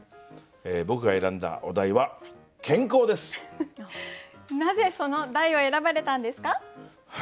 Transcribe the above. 僕が選んだお題はなぜその題を選ばれたんですか？